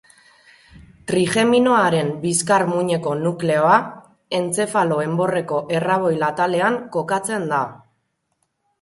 Trigeminoaren bizkar-muineko nukleoa, entzefalo enborreko erraboil atalean kokatzen da.